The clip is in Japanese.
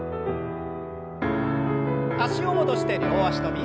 脚を戻して両脚跳び。